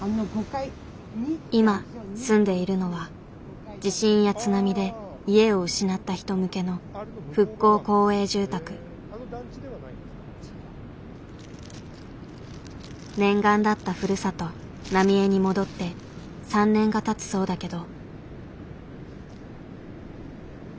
今住んでいるのは地震や津波で家を失った人向けの念願だったふるさと浪江に戻って３年がたつそうだけど。